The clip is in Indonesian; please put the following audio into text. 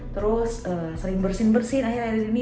terus sering bersin bersin akhir akhir ini